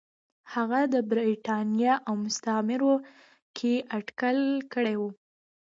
هغه د برېټانیا او مستعمرو کې اټکل کړی و.